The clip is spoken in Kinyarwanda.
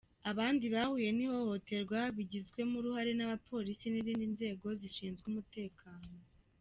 Abandi bahuye n’ihohoterwa bigizwemo uruhare n’abapolisi n’izindi nzego zishinzwe umutekano.